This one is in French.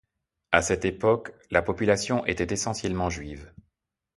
À cette époque, la population était essentiellement juive.